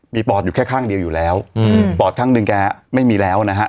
มีปอดอยู่แค่ข้างเดียวอยู่แล้วอืมปอดข้างหนึ่งแกไม่มีแล้วนะฮะ